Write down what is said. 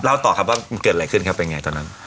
ต่อครับว่ามันเกิดอะไรขึ้นครับเป็นไงตอนนั้น